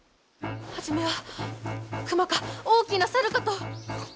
初めは熊か大きな猿かと。